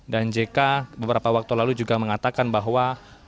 dan jk beberapa waktu lalu juga mengatakan bahwa